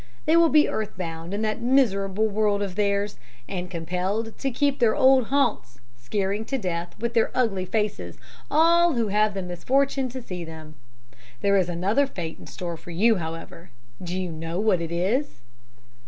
They will be earth bound in that miserable world of theirs, and compelled to keep to their old haunts, scaring to death with their ugly faces all who have the misfortune to see them. There is another fate in store for you, however. Do you know what it is?'